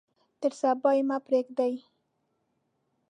تر صبا یې مه پریږدئ.